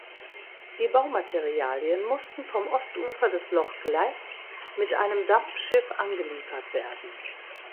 Die Baumaterialien mussten vom Ostufer des Loch Glass mit einem Dampfschiff angeliefert werden.